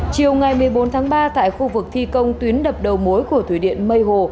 chiều ngày một mươi bốn tháng ba tại khu vực thi công tuyến đập đầu mối của thủy điện mây hồ